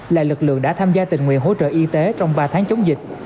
là lực lượng đã tham gia tình nguyện hỗ trợ y tế trong ba tháng chống dịch